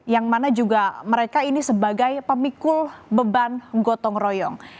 yang mana juga mereka ini sebagai pemikul beban gotong royong